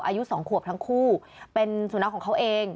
อายุ๒ขวบทั้งคู่เป็นสุนัขของเขาเอง